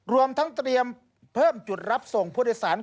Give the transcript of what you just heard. รวมทั้งเตรียมเพิ่มจุดรับส่งผู้โดยสาร